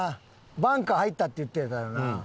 バンカー入ったって言ってたよな。